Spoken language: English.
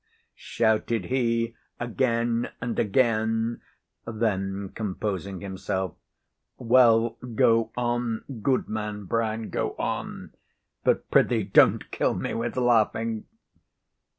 shouted he again and again; then composing himself, "Well, go on, Goodman Brown, go on; but, prithee, don't kill me with laughing."